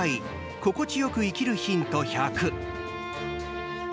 心地よく生きるヒント１００」。